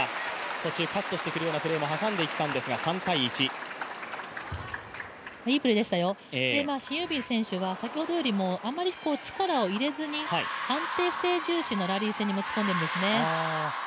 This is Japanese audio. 途中カットするようなプレーも挟んできたんですが３−１．いいプレーでしたよ、シン・ユビン選手は先ほどよりあんまり力を入れずに安定性重視のラリー戦に持ち込んでるんですね。